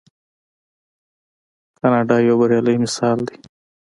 کاناډا یو بریالی مثال دی.